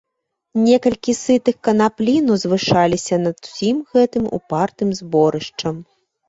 Некалькі сытых канаплін узвышалася над усім гэтым упартым зборышчам.